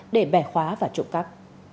để bẻ khóa và trộm cắp